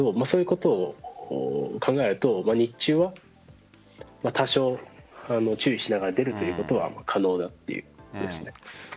そういうことを考えると日中は多少注意しながら出るということは可能だということです。